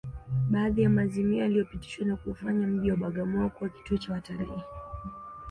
Baadhi ya maazimio yaliyopitishwa ni kuufanya mji wa Bagamoyo kuwa kituo cha watalii